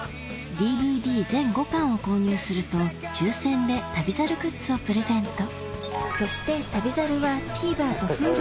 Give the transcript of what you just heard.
ＤＶＤ全５巻を購入すると抽選で『旅猿』グッズをプレゼントそして『旅猿』はおっさんもう飽きて来てんねん。